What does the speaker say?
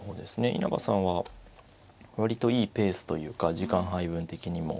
稲葉さんは割といいペースというか時間配分的にも。